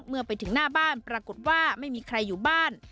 เมื่อไปถึงหน้าบ้านปรากฏว่าไม่มีใครอยู่บ้าน